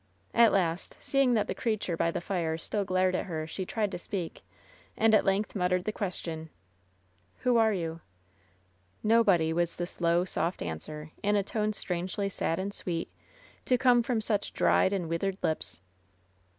At last, seeing that the creature by the fire still glared 272 LOVE'S BITTEREST CUP at her, she tried to tpeak^ and at length muttered the question : "Who are your "Nobody," was the slow, soft answer, in a tone stran^Iy sad and sweet to come from such dried and withered lips.